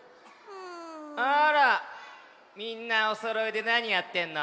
あらみんなおそろいでなにやってんの？